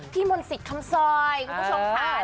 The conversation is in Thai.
พิมมวลสิทธ์ค้ำซอยคุณผู้ชม